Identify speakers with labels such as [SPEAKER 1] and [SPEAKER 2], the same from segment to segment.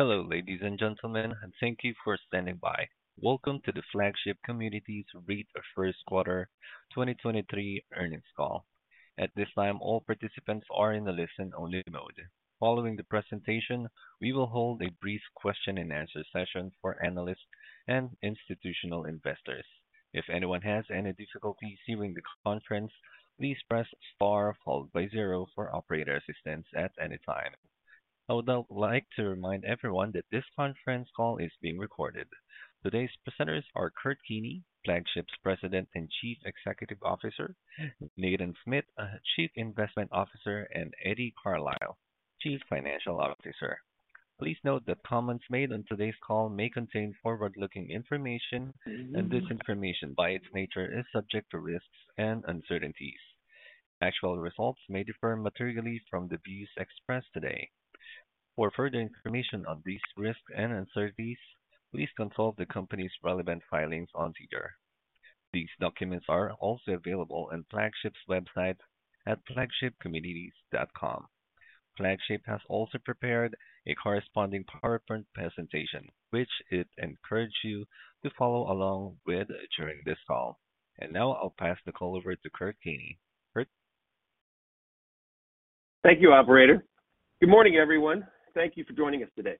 [SPEAKER 1] Hello, ladies and gentlemen, and thank you for standing by. Welcome to the Flagship Communities REIT First Quarter 2023 earnings call. At this time, all participants are in a listen-only mode. Following the presentation, we will hold a brief question and answer session for analysts and institutional investors. If anyone has any difficulty hearing the conference, please press star followed by zero for operator assistance at any time. I would now like to remind everyone that this conference call is being recorded. Today's presenters are Kurt Keeney, Flagship's President and Chief Executive Officer, Nathan Smith, Chief Investment Officer, and Eddie Carlisle, Chief Financial Officer. Please note that comments made on today's call may contain forward-looking information, and this information, by its nature, is subject to risks and uncertainties. Actual results may differ materially from the views expressed today. For further information on these risks and uncertainties, please consult the company's relevant filings on SEDAR. These documents are also available on Flagship's website at flagshipcommunities.com. Flagship has also prepared a corresponding PowerPoint presentation, which it encourage you to follow along with during this call. Now I'll pass the call over to Kurt Keeney. Kurt.
[SPEAKER 2] Thank you, operator. Good morning, everyone. Thank you for joining us today.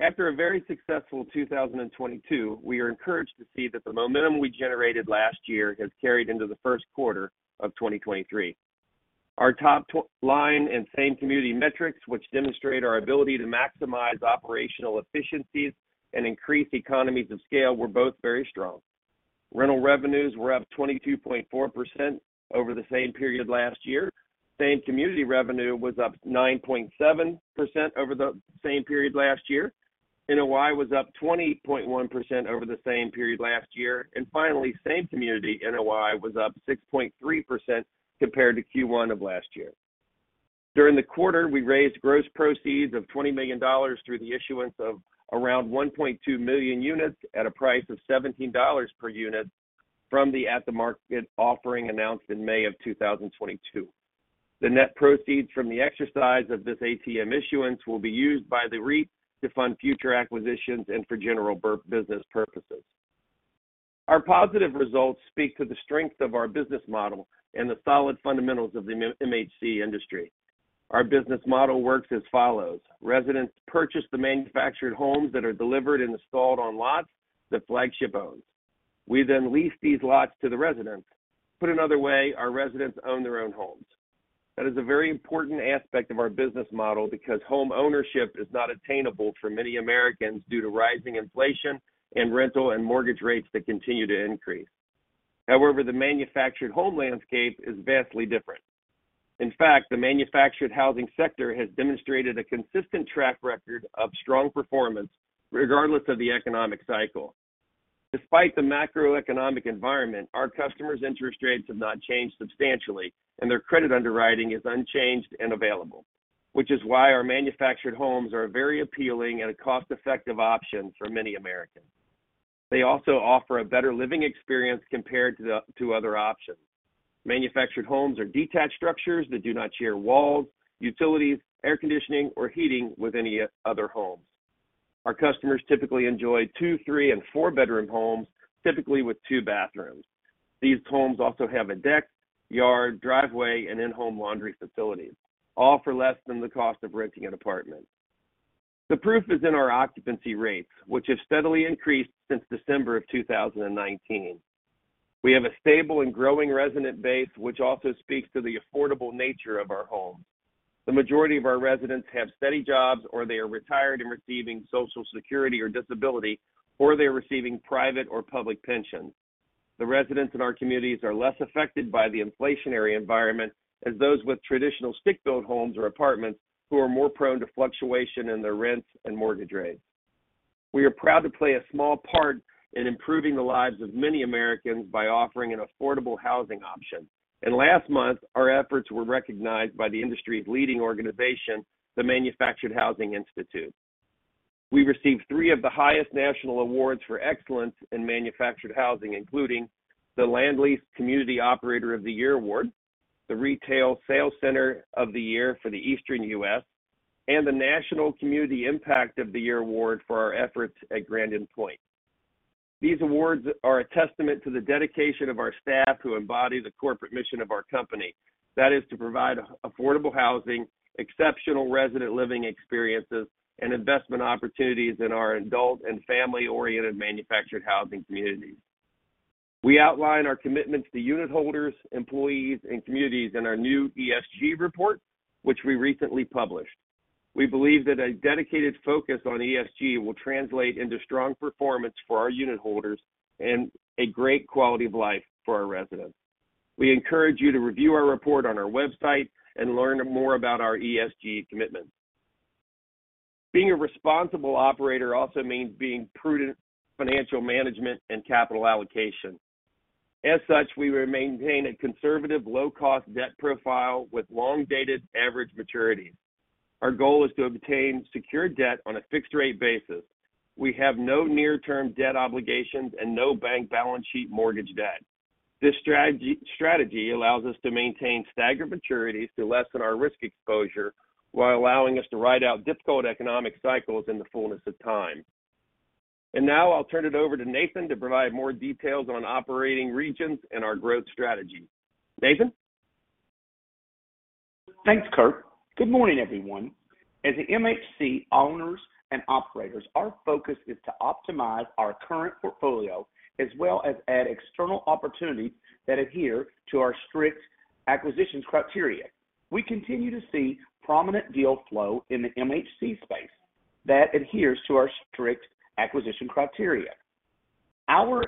[SPEAKER 2] After a very successful 2022, we are encouraged to see that the momentum we generated last year has carried into the first quarter of 2023. Our top line and same community metrics, which demonstrate our ability to maximize operational efficiencies and increase economies of scale, were both very strong. Rental revenues were up 22.4% over the same period last year. Same community revenue was up 9.7% over the same period last year. NOI was up 20.1% over the same period last year. Finally, same community NOI was up 6.3% compared to Q1 of last year. During the quarter, we raised gross proceeds of $20 million through the issuance of around 1.2 million units at a price of $17 per unit from the at-the-market offering announced in May 2022. The net proceeds from the exercise of this ATM issuance will be used by the REIT to fund future acquisitions and for general business purposes. Our positive results speak to the strength of our business model and the solid fundamentals of the MHC industry. Our business model works as follows. Residents purchase the manufactured homes that are delivered and installed on lots that Flagship owns. We then lease these lots to the residents. Put another way, our residents own their own homes. That is a very important aspect of our business model because homeownership is not attainable for many Americans due to rising inflation and rental and mortgage rates that continue to increase. The manufactured home landscape is vastly different. The manufactured housing sector has demonstrated a consistent track record of strong performance regardless of the economic cycle. Despite the macroeconomic environment, our customers' interest rates have not changed substantially, and their credit underwriting is unchanged and available, which is why our manufactured homes are a very appealing and a cost-effective option for many Americans. They also offer a better living experience compared to other options. Manufactured homes are detached structures that do not share walls, utilities, air conditioning, or heating with any other homes. Our customers typically enjoy two, three, and four-bedroom homes, typically with two bathrooms. These homes also have a deck, yard, driveway, and in-home laundry facilities, all for less than the cost of renting an apartment. The proof is in our occupancy rates, which have steadily increased since December of 2019. We have a stable and growing resident base, which also speaks to the affordable nature of our homes. The majority of our residents have steady jobs, or they are retired and receiving Social Security or disability, or they are receiving private or public pensions. The residents in our communities are less affected by the inflationary environment as those with traditional stick-built homes or apartments who are more prone to fluctuation in their rents and mortgage rates. We are proud to play a small part in improving the lives of many Americans by offering an affordable housing option. Last month, our efforts were recognized by the industry's leading organization, the Manufactured Housing Institute. We received three of the highest national awards for excellence in manufactured housing, including the Land Lease Community Operator of the Year award, the Retail Sales Center of the Year for the Eastern U.S., and the Community Impact of the Year award for our efforts at Grandin Pointe. These awards are a testament to the dedication of our staff who embody the corporate mission of our company. That is to provide affordable housing, exceptional resident living experiences, and investment opportunities in our adult and family-oriented manufactured housing communities. We outline our commitment to unit holders, employees, and communities in our new ESG report, which we recently published. We believe that a dedicated focus on ESG will translate into strong performance for our unit holders and a great quality of life for our residents. We encourage you to review our report on our website and learn more about our ESG commitment. Being a responsible operator also means being prudent financial management and capital allocation. As such, we will maintain a conservative low-cost debt profile with long-dated average maturities. Our goal is to obtain secure debt on a fixed-rate basis. We have no near-term debt obligations and no bank balance sheet mortgage debt. This strategy allows us to maintain staggered maturities to lessen our risk exposure while allowing us to ride out difficult economic cycles in the fullness of time. Now I'll turn it over to Nathan to provide more details on operating regions and our growth strategy. Nathan?
[SPEAKER 3] Thanks, Kurt. Good morning, everyone. As the MHC owners and operators, our focus is to optimize our current portfolio as well as add external opportunities that adhere to our strict acquisitions criteria. We continue to see prominent deal flow in the MHC space that adheres to our strict acquisition criteria. Our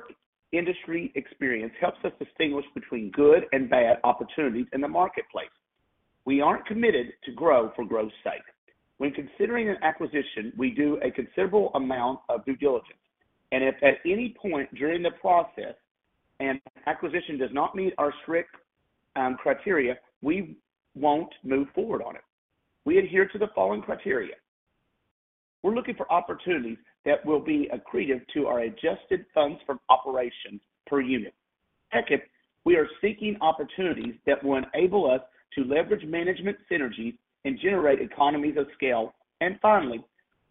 [SPEAKER 3] industry experience helps us distinguish between good and bad opportunities in the marketplace. We aren't committed to grow for growth's sake. When considering an acquisition, we do a considerable amount of due diligence, and if at any point during the process an acquisition does not meet our strict criteria, we won't move forward on it. We adhere to the following criteria. We're looking for opportunities that will be accretive to our adjusted funds from operations per unit. Second, we are seeking opportunities that will enable us to leverage management synergies and generate economies of scale. Finally,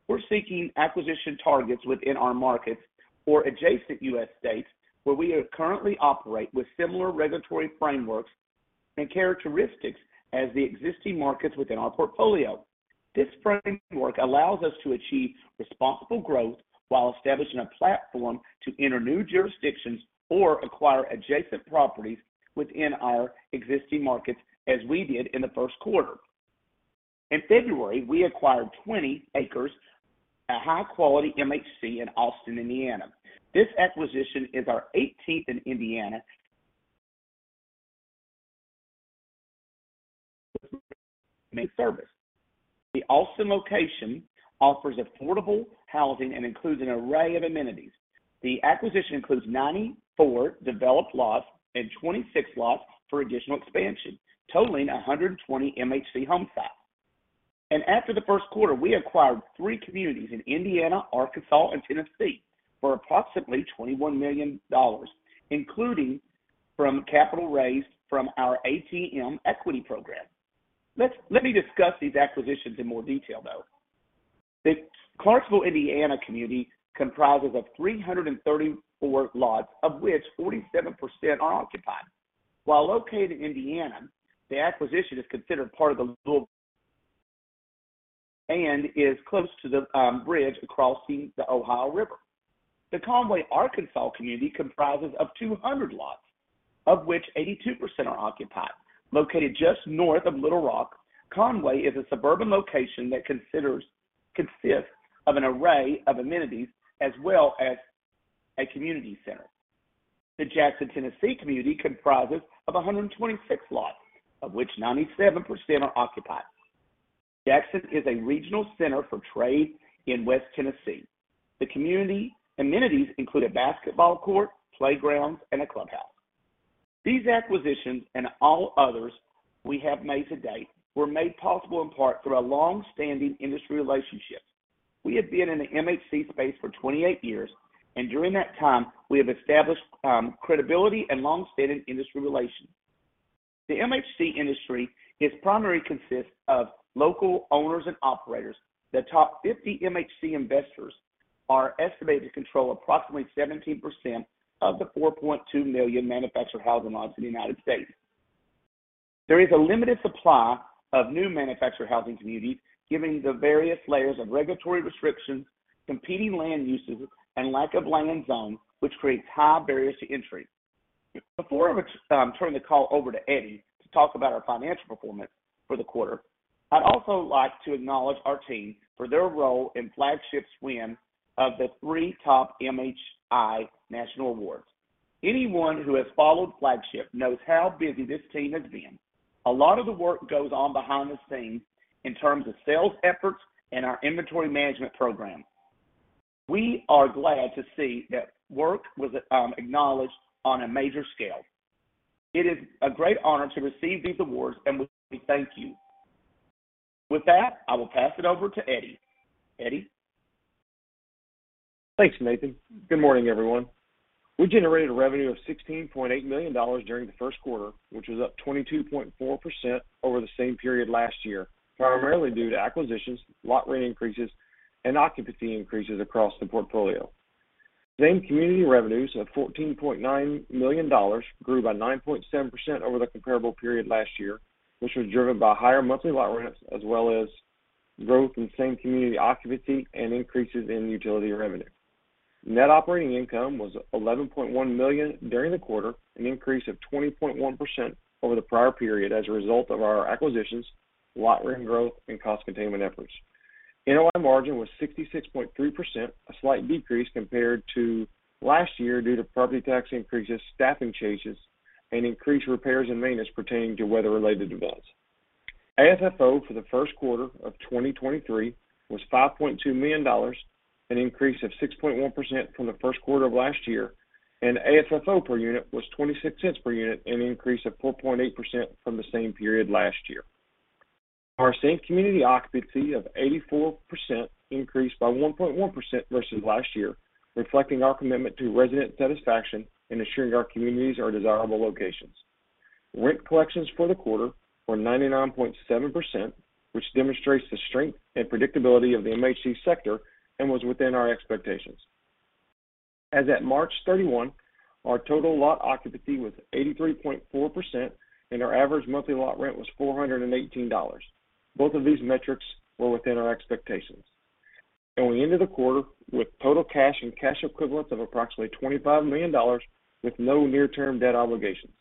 [SPEAKER 3] we're seeking acquisition targets within our markets or adjacent U.S. states where we currently operate with similar regulatory frameworks and characteristics as the existing markets within our portfolio. This framework allows us to achieve responsible growth while establishing a platform to enter new jurisdictions or acquire adjacent properties within our existing markets, as we did in the first quarter. In February, we acquired 20 acres, a high-quality MHC in Austin, Indiana. This acquisition is our 18th in [Indiana- may service]. The Austin location offers affordable housing and includes an array of amenities. The acquisition includes 94 developed lots and 26 lots for additional expansion, totaling 120 MHC homesites. After the first quarter, we acquired three communities in Indiana, Arkansas, and Tennessee for approximately $21 million, including from capital raised from our ATM equity program. Let me discuss these acquisitions in more detail, though. The Clarksville, Indiana community comprises of 334 lots, of which 47% are occupied. While located in Indiana, the acquisition is considered part of the [Little] and is close to the bridge crossing the Ohio River. The Conway, Arkansas community comprises of 200 lots, of which 82% are occupied. Located just north of Little Rock, Conway is a suburban location that consists of an array of amenities as well as a community center. The Jackson, Tennessee community comprises of 126 lots, of which 97% are occupied. Jackson is a regional center for trade in West Tennessee. The community amenities include a basketball court, playgrounds, and a clubhouse. These acquisitions and all others we have made to date were made possible in part through our long-standing industry relationships. We have been in the MHC space for 28 years, and during that time, we have established credibility and long-standing industry relations. The MHC industry is primarily consists of local owners and operators. The top 50 MHC investors are estimated to control approximately 17% of the 4.2 million manufactured housing lots in the United States. There is a limited supply of new manufactured housing communities, given the various layers of regulatory restrictions, competing land uses, and lack of land zone, which creates high barriers to entry. Before I turn the call over to Eddie to talk about our financial performance for the quarter, I'd also like to acknowledge our team for their role in Flagship's win of the three top MHI national awards. Anyone who has followed Flagship knows how busy this team has been. A lot of the work goes on behind the scenes in terms of sales efforts and our inventory management program. We are glad to see that work was acknowledged on a major scale. It is a great honor to receive these awards, and we thank you. With that, I will pass it over to Eddie. Eddie?
[SPEAKER 4] Thanks, Nathan. Good morning, everyone. We generated a revenue of $16.8 million during the first quarter, which was up 22.4% over the same period last year, primarily due to acquisitions, lot rent increases, and occupancy increases across the portfolio. Same-community revenues of $14.9 million grew by 9.7% over the comparable period last year, which was driven by higher monthly lot rents as well as growth in same-community occupancy and increases in utility revenue. Net Operating Income was $11.1 million during the quarter, an increase of 20.1% over the prior period as a result of our acquisitions, lot rent growth, and cost containment efforts. NOI margin was 66.3%, a slight decrease compared to last year due to property tax increases, staffing changes, and increased repairs and maintenance pertaining to weather-related events. AFFO for the first quarter of 2023 was $5.2 million, an increase of 6.1% from the first quarter of last year. AFFO per unit was $0.26 per unit, an increase of 4.8% from the same period last year. Our same community occupancy of 84% increased by 1.1% versus last year, reflecting our commitment to resident satisfaction and ensuring our communities are desirable locations. Rent collections for the quarter were 99.7%, which demonstrates the strength and predictability of the MHC sector and was within our expectations. As at March 31, our total lot occupancy was 83.4%. Our average monthly lot rent was $418. Both of these metrics were within our expectations. We ended the quarter with total cash and cash equivalents of approximately $25 million with no near-term debt obligations.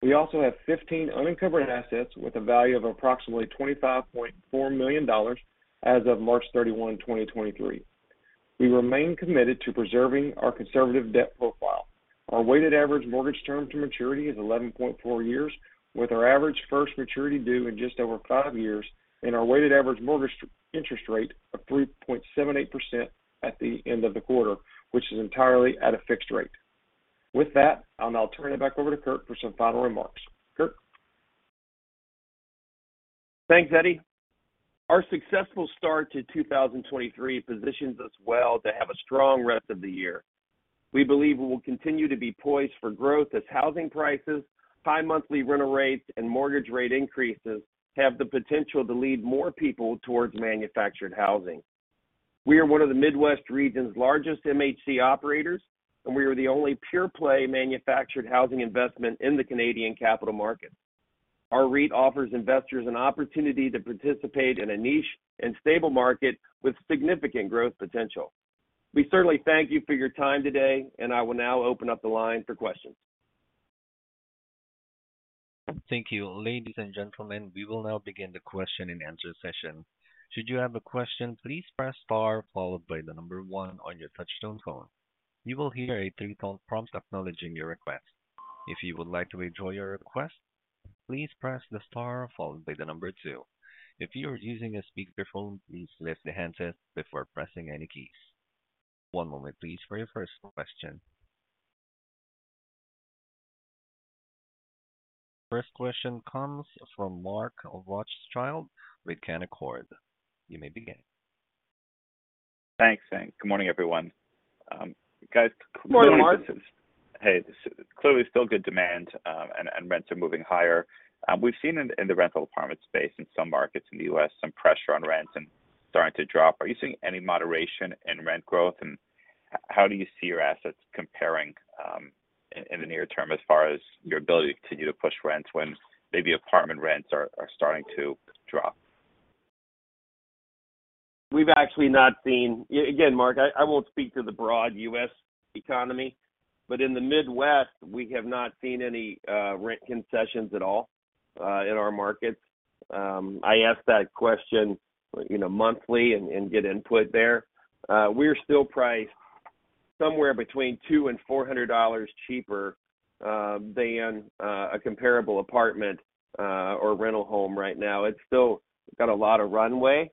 [SPEAKER 4] We also have 15 unencumbered assets with a value of approximately $25.4 million as of March 31, 2023. We remain committed to preserving our conservative debt profile. Our weighted average mortgage term to maturity is 11.4 years, with our average first maturity due in just over five years and our weighted average mortgage interest rate of 3.78% at the end of the quarter, which is entirely at a fixed rate. With that, I'll now turn it back over to Kurt for some final remarks. Kurt.
[SPEAKER 2] Thanks, Eddie. Our successful start to 2023 positions us well to have a strong rest of the year. We believe we will continue to be poised for growth as housing prices, high monthly rental rates, and mortgage rate increases have the potential to lead more people towards manufactured housing. We are one of the Midwest region's largest MHC operators, and we are the only pure-play manufactured housing investment in the Canadian capital market. Our REIT offers investors an opportunity to participate in a niche and stable market with significant growth potential. We certainly thank you for your time today. I will now open up the line for questions.
[SPEAKER 1] Thank you. Ladies and gentlemen, we will now begin the question-and-answer session. Should you have a question, please press star followed by the number one on your touch-tone phone. You will hear a three-tone prompt acknowledging your request. If you would like to withdraw your request, please press the star followed by the number two. If you are using a speakerphone, please lift the handset before pressing any keys. One moment please for your first question. First question comes from Mark Rothschild with Canaccord. You may begin.
[SPEAKER 5] Thanks. Good morning, everyone.
[SPEAKER 2] Good morning, Mark.
[SPEAKER 5] Hey. Clearly still good demand, and rents are moving higher. We've seen in the rental apartment space in some markets in the U.S., some pressure on rents and starting to drop. Are you seeing any moderation in rent growth? How do you see your assets comparing in the near term as far as your ability to continue to push rents when maybe apartment rents are starting to drop?
[SPEAKER 2] We've actually not seen. Again, Mark, I won't speak to the broad U.S. economy, but in the Midwest, we have not seen any rent concessions at all in our markets. I ask that question, you know, monthly and get input there. We're still priced somewhere between $200-$400 cheaper than a comparable apartment or rental home right now. It's still got a lot of runway.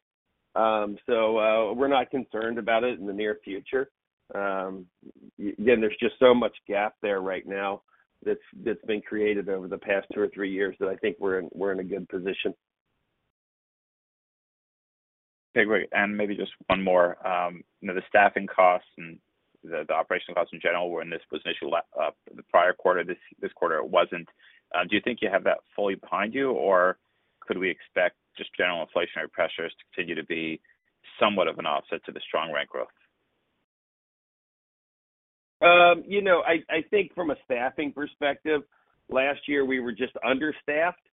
[SPEAKER 2] We're not concerned about it in the near future. Again, there's just so much gap there right now that's been created over the past two or three years that I think we're in a good position.
[SPEAKER 5] Okay, great. Maybe just one more. You know, the staffing costs and the operational costs in general were in this position the prior quarter. This quarter it wasn't. Do you think you have that fully behind you? Or could we expect just general inflationary pressures to continue to be somewhat of an offset to the strong rent growth?
[SPEAKER 2] You know, I think from a staffing perspective, last year we were just understaffed.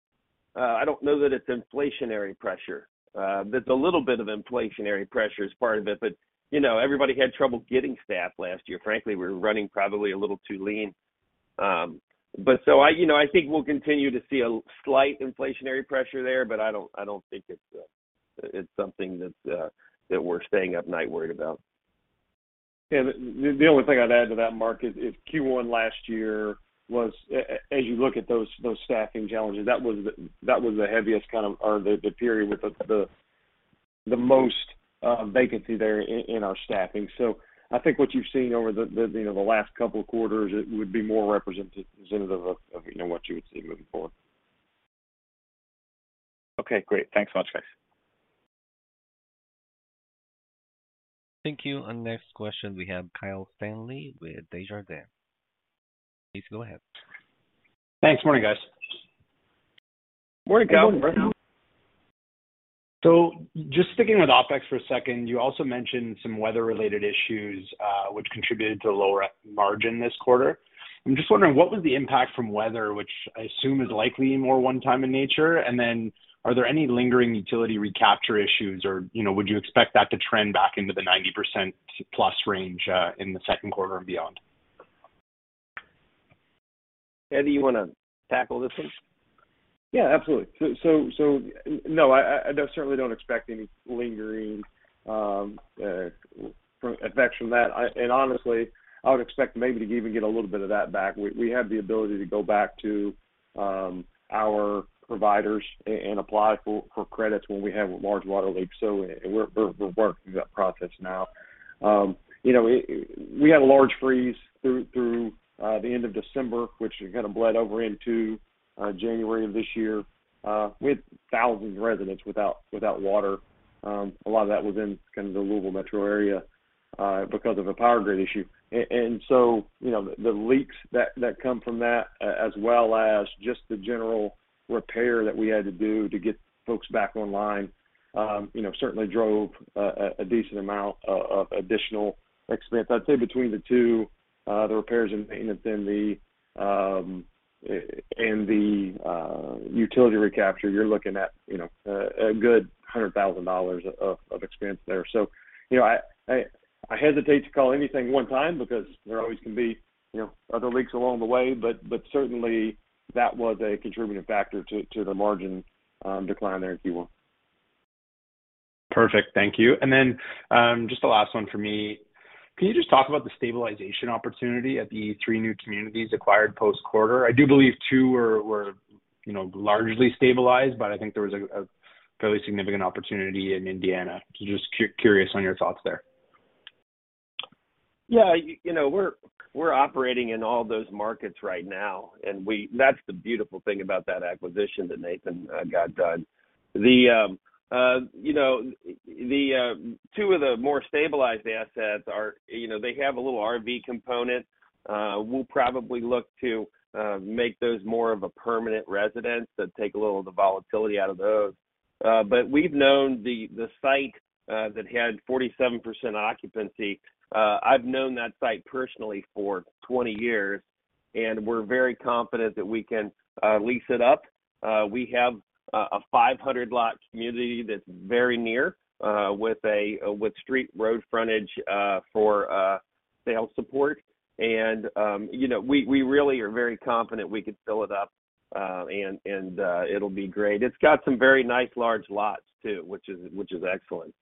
[SPEAKER 2] I don't know that it's inflationary pressure. There's a little bit of inflationary pressure as part of it, but, you know, everybody had trouble getting staff last year. Frankly, we're running probably a little too lean. You know, I think we'll continue to see a slight inflationary pressure there, but I don't think it's something that we're staying up at night worried about.
[SPEAKER 4] Yeah. The only thing I'd add to that, Mark, is Q1 last year was. As you look at those staffing challenges, that was the heaviest kind of or the period with the most vacancy there in our staffing. I think what you've seen over the, you know, the last couple of quarters, it would be more representative of, you know, what you would see moving forward.
[SPEAKER 5] Okay, great. Thanks so much, guys.
[SPEAKER 1] Thank you. Our next question, we have Kyle Stanley with Desjardins. Please go ahead.
[SPEAKER 6] Thanks. Morning, guys.
[SPEAKER 2] Morning, Kyle. Good morning.
[SPEAKER 6] Just sticking with OpEx for a second, you also mentioned some weather-related issues, which contributed to lower margin this quarter. I'm just wondering, what was the impact from weather, which I assume is likely more one time in nature? Are there any lingering utility recapture issues or, you know, would you expect that to trend back into the 90%+ range in the second quarter and beyond?
[SPEAKER 2] Eddie, you wanna tackle this one?
[SPEAKER 4] Yeah, absolutely. No, I certainly don't expect any lingering effects from that. Honestly, I would expect maybe to even get a little bit of that back. We have the ability to go back to our providers and apply for credits when we have large water leaks. We're working through that process now. You know, we had a large freeze through the end of December, which kind of bled over into January of this year. We had thousands of residents without water, a lot of that was in kind of the Louisville metro area, because of a power grid issue. You know, the leaks that come from that as well as just the general repair that we had to do to get folks back online, you know, certainly drove a decent amount of additional expense. I'd say between the two, the repairs and maintenance and the utility recapture, you're looking at, you know, a good $100,000 of expense there. You know, I hesitate to call anything one time because there always can be, you know, other leaks along the way. Certainly that was a contributing factor to the margin decline there, if you will.
[SPEAKER 6] Perfect. Thank you. Then, just the last one for me. Can you just talk about the stabilization opportunity at the 3 new communities acquired post-quarter? I do believe two were, you know, largely stabilized, but I think there was a fairly significant opportunity in Indiana. Just curious on your thoughts there.
[SPEAKER 2] Yeah. You know, we're operating in all those markets right now, that's the beautiful thing about that acquisition that Nathan got done. The, you know, two of the more stabilized assets are, you know, they have a little RV component. We'll probably look to make those more of a permanent residence that take a little of the volatility out of those. We've known the site that had 47% occupancy, I've known that site personally for 20 years, and we're very confident that we can lease it up. We have a 500 lot community that's very near with street road frontage for sales support. You know, we really are very confident we could fill it up and it'll be great. It's got some very nice large lots too, which is excellent.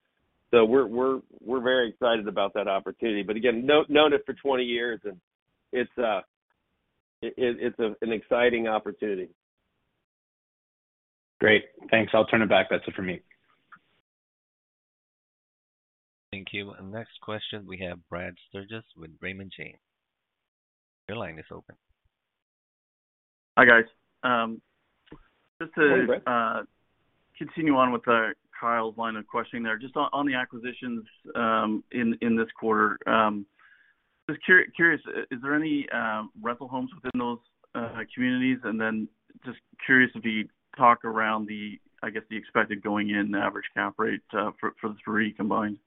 [SPEAKER 2] We're very excited about that opportunity. Again, known it for 20 years, and it's an exciting opportunity.
[SPEAKER 6] Great. Thanks. I'll turn it back. That's it for me.
[SPEAKER 1] Thank you. Next question, we have Brad Sturges with Raymond James. Your line is open.
[SPEAKER 7] Hi, guys.
[SPEAKER 2] Hey, Brad.
[SPEAKER 7] Continue on with Kyle's line of questioning there. Just on the acquisitions in this quarter, just curious, is there any rental homes within those communities? Just curious if you talk around the, I guess, the expected going in average cap rate for the three combined.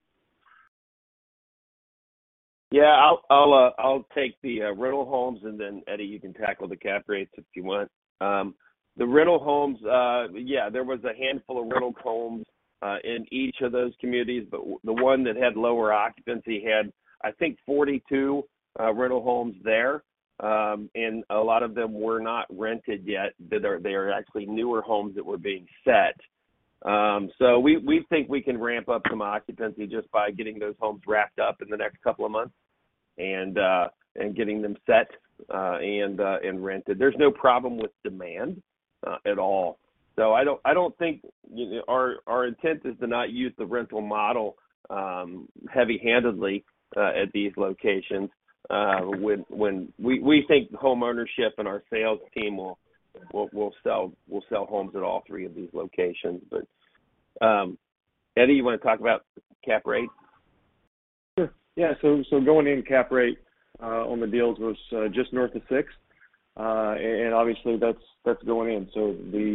[SPEAKER 2] Yeah, I'll, I'll take the rental homes and then Eddie, you can tackle the cap rates if you want. The rental homes, yeah, there was a handful of rental homes in each of those communities, but the one that had lower occupancy had, I think 42 rental homes there. A lot of them were not rented yet. They're actually newer homes that were being set. We think we can ramp up some occupancy just by getting those homes wrapped up in the next couple of months and getting them set, and rented. There's no problem with demand at all. I don't think, you know, our intent is to not use the rental model, heavy-handedly at these locations. We think homeownership and our sales team will sell homes at all three of these locations. Eddie, you wanna talk about cap rate?
[SPEAKER 4] Sure. Yeah. Going in cap rate on the deals was just north of six. Obviously that's going in.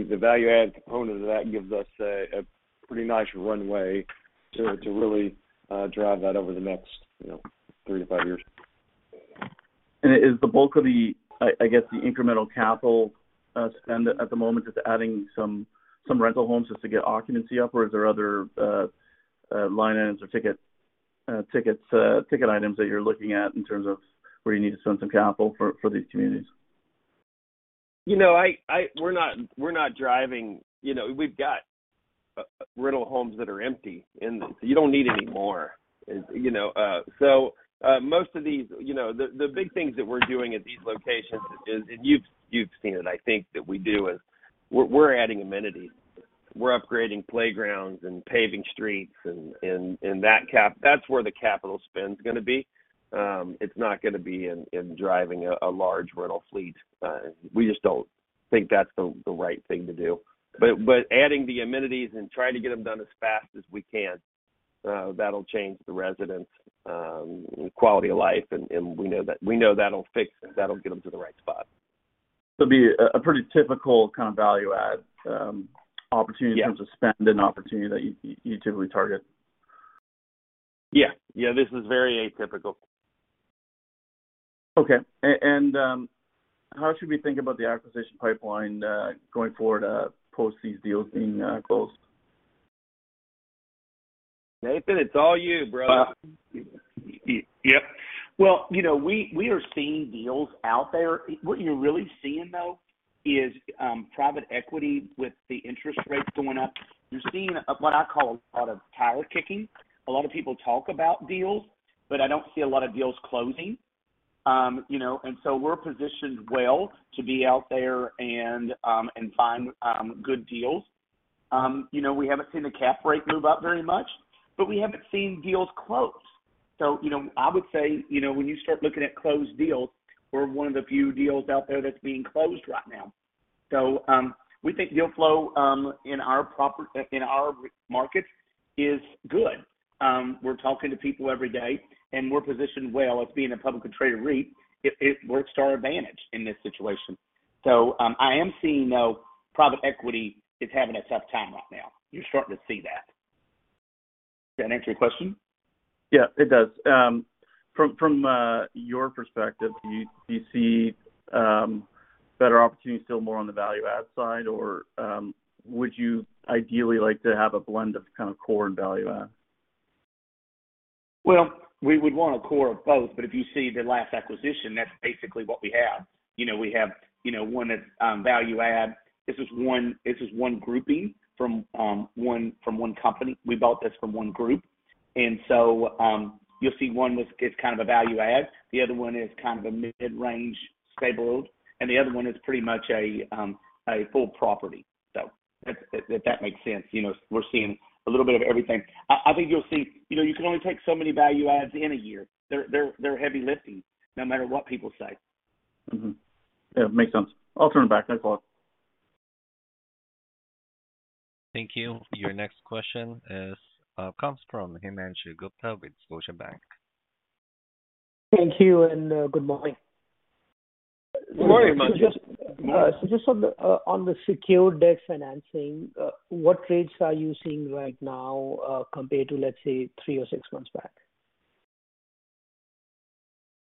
[SPEAKER 4] The value add component of that gives us a pretty nice runway to really drive that over the next, you know, three to five years.
[SPEAKER 7] Is the bulk of the, I guess, the incremental capital spend at the moment just adding some rental homes just to get occupancy up, or is there other line items or ticket items that you're looking at in terms of where you need to spend some capital for these communities?
[SPEAKER 2] You know, we're not driving... You know, we've got rental homes that are empty in them, so you don't need any more. Most of these, you know, the big things that we're doing at these locations is, and you've seen it, I think, that we do is we're adding amenities. We're upgrading playgrounds and paving streets and that's where the capital spend's gonna be. It's not gonna be in driving a large rental fleet. We just don't think that's the right thing to do. Adding the amenities and trying to get them done as fast as we can, that'll change the residents' quality of life, and we know that. We know that'll fix, that'll get them to the right spot.
[SPEAKER 7] It'd be a pretty typical kind of value add, opportunity.
[SPEAKER 2] Yeah.
[SPEAKER 7] In terms of spend and opportunity that you typically target.
[SPEAKER 2] Yeah. Yeah, this is very atypical.
[SPEAKER 7] How should we think about the acquisition pipeline going forward post these deals being closed?
[SPEAKER 2] Nathan, it's all you, bro.
[SPEAKER 3] Yep. Well, you know, we are seeing deals out there. What you're really seeing, though, is private equity with the interest rates going up. You're seeing what I call a lot of tire kicking. A lot of people talk about deals, but I don't see a lot of deals closing. you know, and so we're positioned well to be out there and find good deals. you know, we haven't seen the cap rate move up very much, but we haven't seen deals close. you know, I would say, you know, when you start looking at closed deals, we're one of the few deals out there that's being closed right now. we think deal flow in our markets is good. we're talking to people every day, and we're positioned well as being a publicly traded REIT. It works to our advantage in this situation. I am seeing, though, private equity is having a tough time right now. You're starting to see that. Does that answer your question?
[SPEAKER 7] Yeah, it does. From your perspective, do you see better opportunities still more on the value add side or would you ideally like to have a blend of kind of core and value add?
[SPEAKER 3] We would want a core of both, but if you see the last acquisition, that's basically what we have. You know, we have, you know, one that's value add. This is one grouping from one, from one company. We bought this from one group, and so you'll see it's kind of a value add. The other one is kind of a mid-range stable, and the other one is pretty much a full property. If, if that makes sense, you know, we're seeing a little bit of everything. I think you'll see... You know, you can only take so many value adds in a year. They're heavy lifting, no matter what people say.
[SPEAKER 7] Yeah, makes sense. I'll turn it back. Thanks a lot.
[SPEAKER 1] Thank you. Your next question is, comes from Himanshu Gupta with Scotiabank.
[SPEAKER 8] Thank you, and, good morning.
[SPEAKER 2] Good morning, Himanshu.
[SPEAKER 8] Just on the secured debt financing, what rates are you seeing right now compared to, let's say, three or six months back?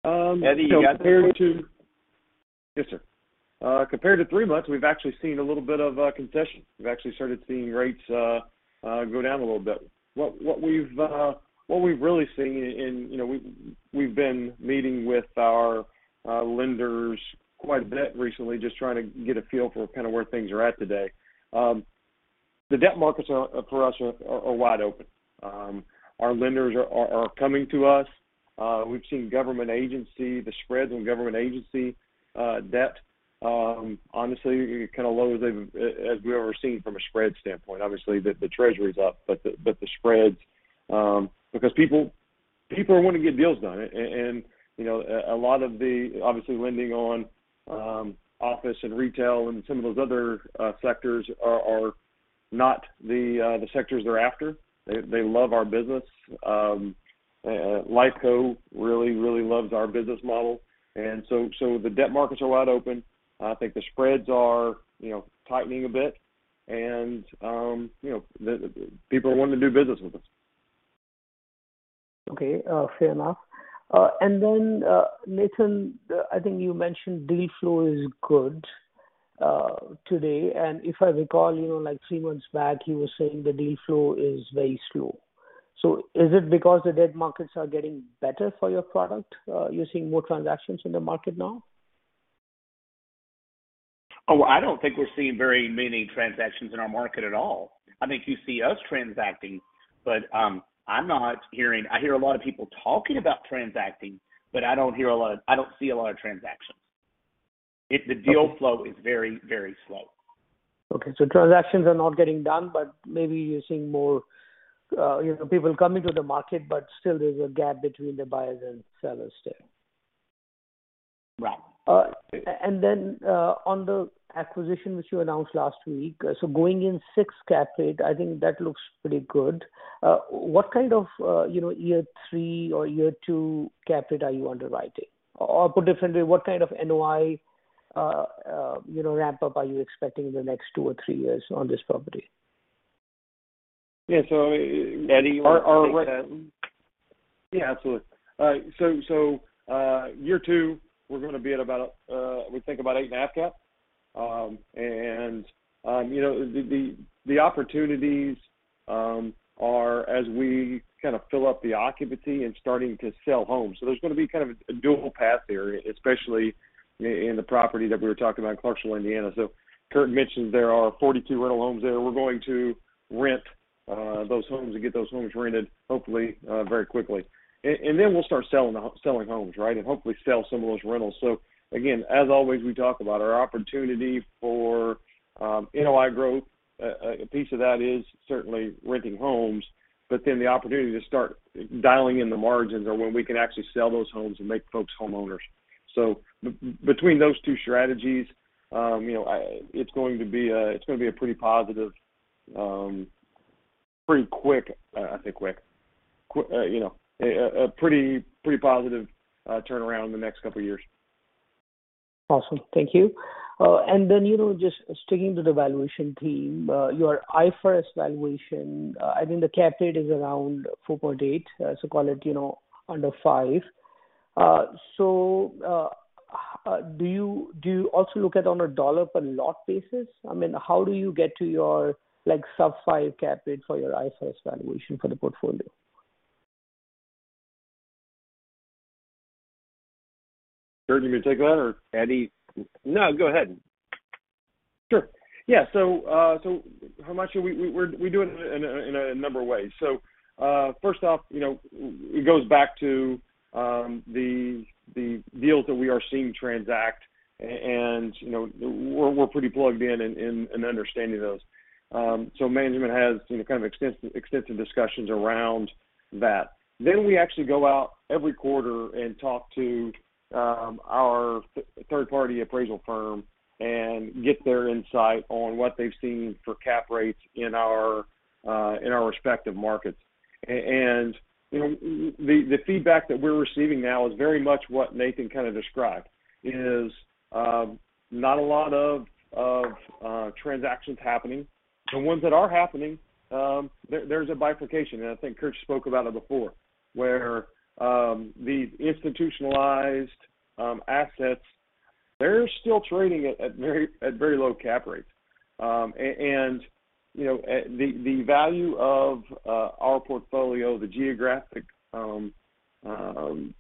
[SPEAKER 2] Eddie you got that one?
[SPEAKER 4] Yes, sir. Compared to three months, we've actually seen a little bit of concession. We've actually started seeing rates go down a little bit. What we've really seen, you know, we've been meeting with our lenders quite a bit recently, just trying to get a feel for kind of where things are at today. The debt markets are, for us, are wide open. Our lenders are coming to us. We've seen government agency, the spreads in government agency debt, honestly kind of low as we've ever seen from a spread standpoint. Obviously, the treasury is up, but the spreads, because people want to get deals done. You know, a lot of the, obviously lending on office and retail and some of those other sectors are not the sectors they're after. They love our business. Life Co. really loves our business model. The debt markets are wide open. I think the spreads are, you know, tightening a bit and, you know, people are wanting to do business with us.
[SPEAKER 8] Okay, fair enough. Nathan, I think you mentioned deal flow is good today, and if I recall, you know, like three months back, you were saying the deal flow is very slow. Is it because the debt markets are getting better for your product? You're seeing more transactions in the market now?
[SPEAKER 3] I don't think we're seeing very many transactions in our market at all. I think you see us transacting, but I hear a lot of people talking about transacting, but I don't see a lot of transactions.
[SPEAKER 8] Okay.
[SPEAKER 3] The deal flow is very, very slow.
[SPEAKER 8] Okay. Transactions are not getting done, but maybe you're seeing more, you know, people coming to the market, but still there's a gap between the buyers and sellers still.
[SPEAKER 3] Right.
[SPEAKER 8] On the acquisition which you announced last week, going in 6 cap rate, I think that looks pretty good. What kind of, you know, year three or year four cap rate are you underwriting? Put differently, what kind of NOI, you know, ramp up are you expecting in the next two of three years on this property?
[SPEAKER 3] Yeah.
[SPEAKER 4] Eddie, you want to take that?
[SPEAKER 3] Our
[SPEAKER 4] Yeah, absolutely. year two, we're gonna be at about, we think about 8.5 cap. you know, the opportunities are as we kind of fill up the occupancy and starting to sell homes. There's gonna be kind of a dual path there, especially in the property that we were talking about in Clarksville, Indiana. Kurt mentioned there are 42 rental homes there. We're going to rent those homes and get those homes rented, hopefully, very quickly. We'll start selling homes, right? Hopefully sell some of those rentals. Again, as always, we talk about our opportunity for NOI growth. A piece of that is certainly renting homes, but then the opportunity to start dialing in the margins are when we can actually sell those homes and make folks homeowners. Between those two strategies, you know, it's going to be a pretty positive, pretty quick, I say quick, you know, a pretty positive turnaround in the next couple of years.
[SPEAKER 8] Awesome. Thank you. Then, you know, just sticking to the valuation theme, your IFRS valuation, I think the cap rate is around 4.8, so call it, you know, under 5. Do you also look at on a $ per lot basis? I mean, how do you get to your like sub 5 cap rate for your IFRS valuation for the portfolio?
[SPEAKER 3] Kurt, you gonna take that or Eddie?
[SPEAKER 2] No, go ahead.
[SPEAKER 4] Himanshu, we do it in a number of ways. First off, you know, it goes back to the deals that we are seeing transact and, you know, we're pretty plugged in understanding those. Management has, you know, kind of extensive discussions around that. We actually go out every quarter and talk to our third party appraisal firm and get their insight on what they've seen for cap rates in our respective markets. You know, the feedback that we're receiving now is very much what Nathan kind of described, is not a lot of transactions happening. The ones that are happening, there's a bifurcation, and I think Kurt spoke about it before, where these institutionalized assets, they're still trading at very low cap rates. You know, the value of our portfolio, the geographic footprint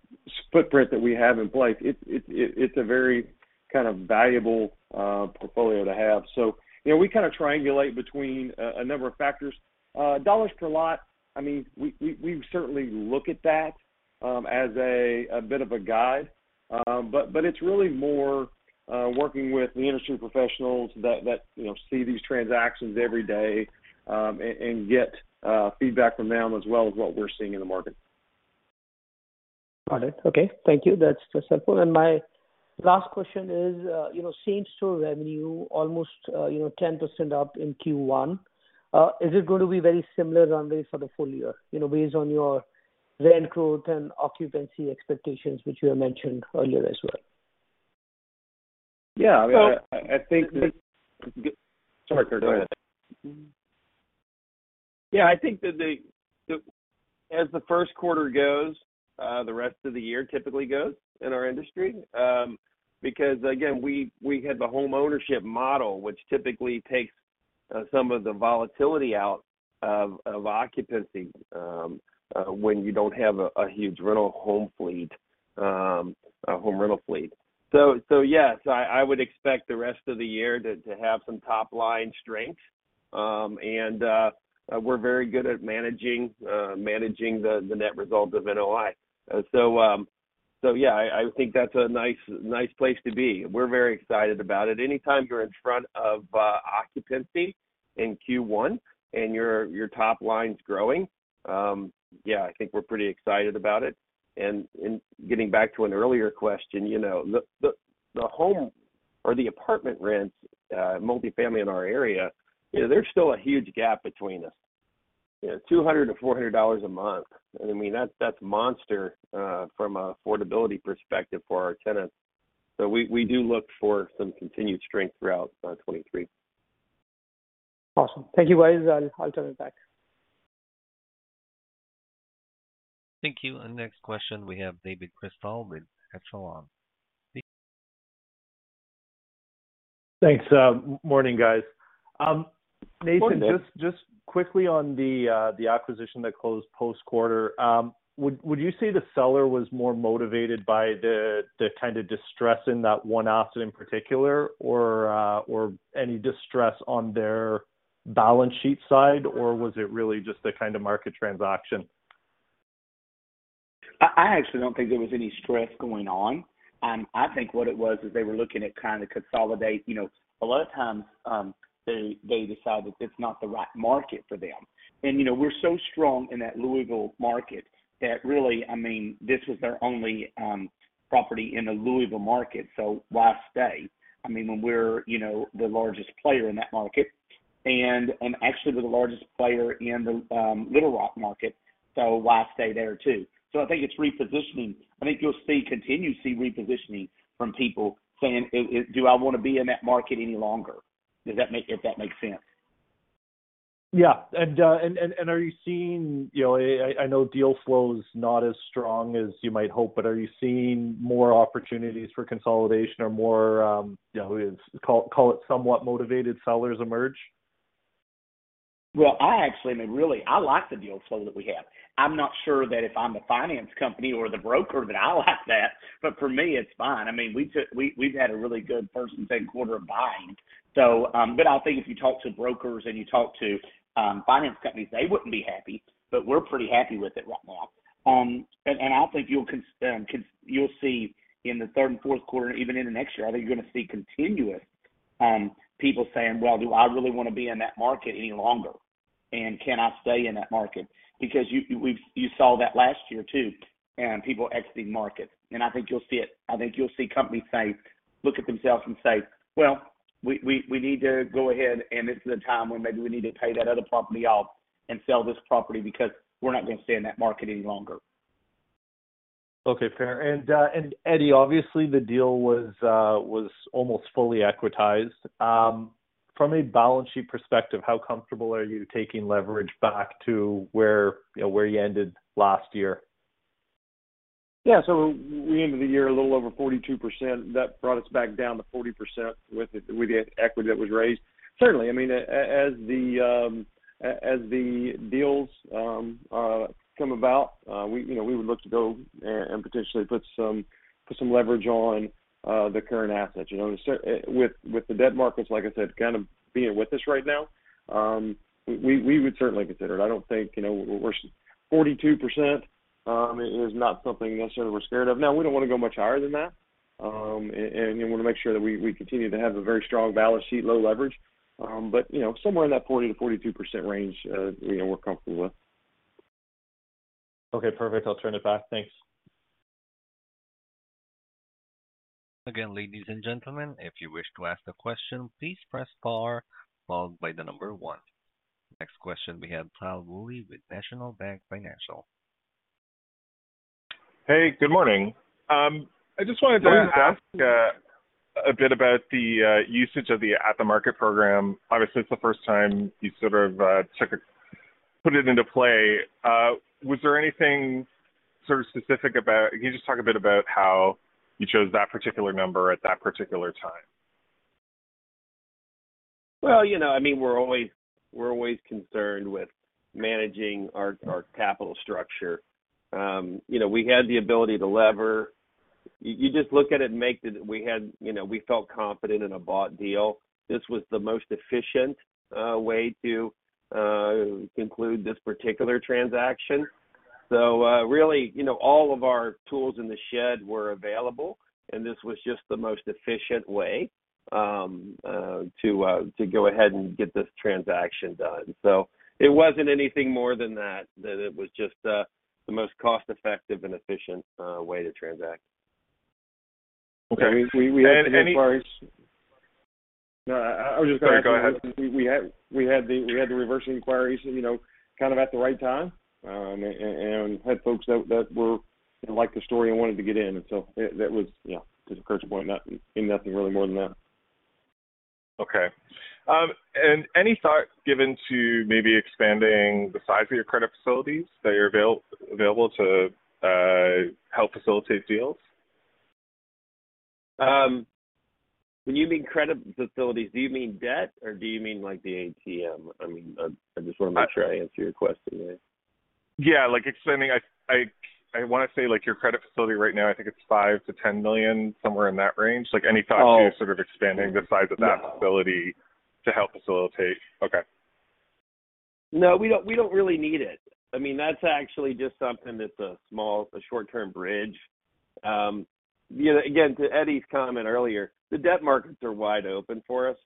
[SPEAKER 4] that we have in place, it's a very kind of valuable portfolio to have. You know, we kind of triangulate between a number of factors. Dollars per lot, I mean, we certainly look at that as a bit of a guide. It's really more working with the industry professionals that, you know, see these transactions every day, and get feedback from them as well as what we're seeing in the market.
[SPEAKER 8] Got it. Okay. Thank you. That's simple. My last question is, you know, same-store revenue almost, you know, 10% up in Q1, is it gonna be very similar runway for the full year, you know, based on your rent growth and occupancy expectations, which you have mentioned earlier as well?
[SPEAKER 4] Yeah. I mean, I think-
[SPEAKER 2] So-
[SPEAKER 4] Sorry, Kurt, go ahead.
[SPEAKER 2] Yeah. I think that as the 1st quarter goes, the rest of the year typically goes in our industry. Because again, we have a homeownership model, which typically takes some of the volatility out of occupancy when you don't have a huge rental home fleet, a home rental fleet. Yes, I would expect the rest of the year to have some top-line strength. We're very good at managing the net results of NOI. Yeah, I think that's a nice place to be. We're very excited about it. Anytime you're in front of occupancy in Q1 and your top line's growing, yeah, I think we're pretty excited about it. In getting back to an earlier question, you know, the, the home or the apartment rents, multifamily in our area, you know, there's still a huge gap between us. You know, $200-$400 a month. I mean, that's monster from an affordability perspective for our tenants. We, we do look for some continued strength throughout 2023.
[SPEAKER 8] Awesome. Thank you, guys. I'll turn it back.
[SPEAKER 1] Thank you. Next question, we have David Chrystal with Echelon.
[SPEAKER 9] Thanks. Morning, guys.
[SPEAKER 2] Good morning, Dave.
[SPEAKER 9] Just quickly on the acquisition that closed post-quarter, would you say the seller was more motivated by the kind of distress in that one asset in particular or any distress on their balance sheet side, or was it really just a kind of market transaction?
[SPEAKER 3] I actually don't think there was any stress going on. I think what it was is they were looking at kinda consolidate, you know, a lot of times, they decide that it's not the right market for them. You know, we're so strong in that Louisville market that really, I mean, this was their only property in the Louisville market. Why stay? I mean, when we're, you know, the largest player in that market and actually we're the largest player in the Little Rock market, why stay there too? I think it's repositioning. I think you'll continue to see repositioning from people saying, do I wanna be in that market any longer? Does that make if that makes sense.
[SPEAKER 9] Yeah. Are you seeing, you know, I know deal flow is not as strong as you might hope, but are you seeing more opportunities for consolidation or more, you know, call it somewhat motivated sellers emerge?
[SPEAKER 3] Well, I actually, I mean, really, I like the deal flow that we have. I'm not sure that if I'm the finance company or the broker, that I'll like that, but for me, it's fine. I mean, we've had a really good 1st and 2nd quarter of buying. I think if you talk to brokers and you talk to finance companies, they wouldn't be happy, but we're pretty happy with it right now. I think you'll see in the 3rd and 4th quarter, even into next year, I think you're gonna see continuous people saying, "Well, do I really wanna be in that market any longer? Can I stay in that market?" Because you saw that last year too, people exiting markets, and I think you'll see it. I think you'll see companies say look at themselves and say, "Well, we need to go ahead, and it's the time where maybe we need to pay that other property off and sell this property because we're not gonna stay in that market any longer.
[SPEAKER 9] Okay. Fair. Eddie, obviously the deal was almost fully equitized. From a balance sheet perspective, how comfortable are you taking leverage back to where, you know, where you ended last year?
[SPEAKER 4] Yeah. We ended the year a little over 42%. That brought us back down to 40% with the equity that was raised. Certainly, I mean, as the, as the deals come about, we, you know, we would look to go and potentially put some, put some leverage on, the current assets, you know. With the debt markets, like I said, kind of being with us right now, we would certainly consider it. I don't think, you know, we're... 42% is not something necessarily we're scared of. Now we don't wanna go much higher than that and we wanna make sure that we continue to have a very strong balance sheet, low leverage. You know, somewhere in that 40%-42% range, you know, we're comfortable with.
[SPEAKER 1] Okay, perfect. I'll turn it back. Thanks. Ladies and gentlemen, if you wish to ask a question, please press star followed by the number 1. Next question we have Matt Kornack with National Bank Financial.
[SPEAKER 10] Hey, good morning.
[SPEAKER 4] Good morning....
[SPEAKER 10] ask a bit about the usage of the at-the-market program. Obviously, it's the first time you sort of put it into play. Was there anything sort of specific? Can you just talk a bit about how you chose that particular number at that particular time?
[SPEAKER 2] Well, you know, I mean, we're always concerned with managing our capital structure. You know, we had the ability to lever. You just look at it and make the. You know, we felt confident in a bought deal. This was the most efficient way to conclude this particular transaction. Really, you know, all of our tools in the shed were available, and this was just the most efficient way to go ahead and get this transaction done. It wasn't anything more than that it was just the most cost-effective and efficient way to transact.
[SPEAKER 10] Okay.
[SPEAKER 4] We had the inquiries...
[SPEAKER 10] No, I was just gonna ask...
[SPEAKER 4] Sorry, go ahead.
[SPEAKER 10] We had the reverse inquiries, you know, kind of at the right time, and had folks that were you know, liked the story and wanted to get in. So that was, you know, to Kurt's point, not, ain't nothing really more than that. Okay. Any thought given to maybe expanding the size of your credit facilities that are available to help facilitate deals?
[SPEAKER 2] When you mean credit facilities, do you mean debt or do you mean like the ATM? I mean, I just wanna make sure I answer your question right.
[SPEAKER 10] Yeah, like expanding. I wanna say like your credit facility right now, I think it's $5 million-$10 million, somewhere in that range. Like, any thought?
[SPEAKER 2] Oh.
[SPEAKER 10] -sort of expanding the size of that-
[SPEAKER 2] No.
[SPEAKER 10] facility to help facilitate? Okay.
[SPEAKER 2] No, we don't really need it. I mean, that's actually just something that's a small short-term bridge. You know, again, to Eddie's comment earlier, the debt markets are wide open for us.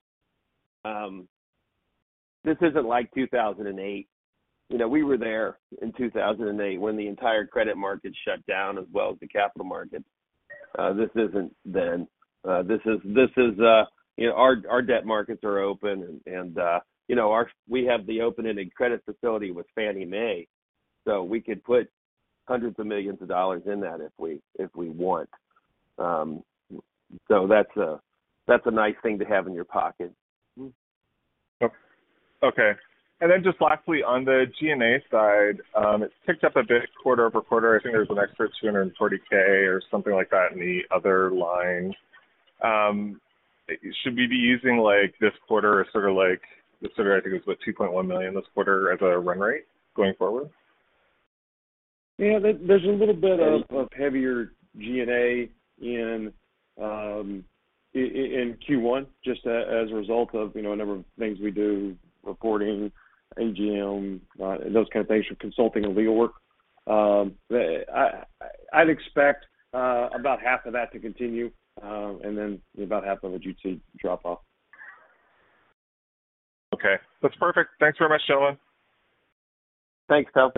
[SPEAKER 2] This isn't like 2008. You know, we were there in 2008 when the entire credit market shut down as well as the capital markets. This isn't then. This is, you know, our debt markets are open and, you know, We have the open-ended credit facility with Fannie Mae, so we could put hundreds of millions of dollars in that if we want. That's a nice thing to have in your pocket.
[SPEAKER 10] Okay. Just lastly, on the G&A side, it's ticked up a bit quarter-over-quarter. I think there's an extra $240,000 or something like that in the other line. Should we be using like this quarter as sort of like This quarter, I think it was, what, $2.1 million this quarter as a run rate going forward?
[SPEAKER 4] Yeah. There's a little bit of heavier G&A in Q1, just as a result of, you know, a number of things we do, reporting, AGM, those kind of things for consulting and legal work. I'd expect about half of that to continue, and then about half of it you'd see drop off.
[SPEAKER 10] Okay. That's perfect. Thanks very much, gentlemen.
[SPEAKER 2] Thanks, Kyle.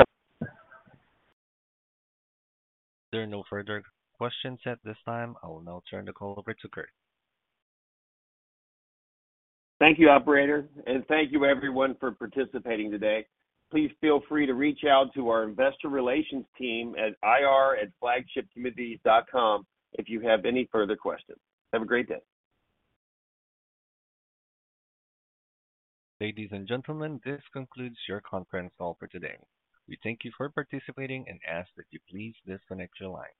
[SPEAKER 1] There are no further questions at this time. I will now turn the call over to Kurt.
[SPEAKER 2] Thank you, operator. Thank you everyone for participating today. Please feel free to reach out to our investor relations team at ir@flagshipcommunities.com if you have any further questions. Have a great day.
[SPEAKER 1] Ladies and gentlemen, this concludes your conference call for today. We thank you for participating and ask that you please disconnect your line.